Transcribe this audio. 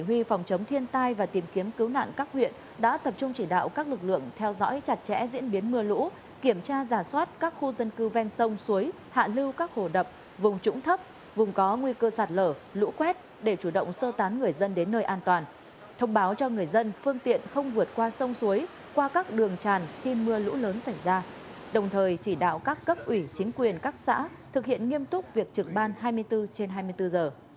giống thiên tai và tìm kiếm cứu nạn các huyện đã tập trung chỉ đạo các lực lượng theo dõi chặt chẽ diễn biến mưa lũ kiểm tra giả soát các khu dân cư ven sông suối hạ lưu các hồ đập vùng trũng thấp vùng có nguy cơ sạt lở lũ quét để chủ động sơ tán người dân đến nơi an toàn thông báo cho người dân phương tiện không vượt qua sông suối qua các đường tràn khi mưa lũ lớn xảy ra đồng thời chỉ đạo các cấp ủy chính quyền các xã thực hiện nghiêm túc việc trực ban hai mươi bốn trên hai mươi bốn giờ